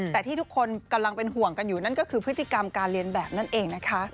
แต่ที่ทุกคนกำลังเป็นห่วงกันอยู่นั่นก็คือพฤติกรรมการเรียนแบบนั่นเองนะคะ